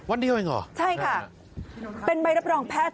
วันเดียวเองเหรอใช่ค่ะเป็นใบรับรองแพทย์